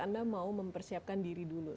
anda mau mempersiapkan diri dulu